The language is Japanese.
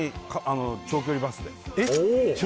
長距離バスで？